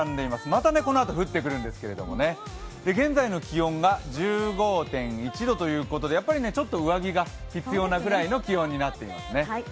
またこのあと降ってくるんですけど現在の気温が１５．１度ということでやっぱりちょっと上着が必要なくらいの気温になってますね。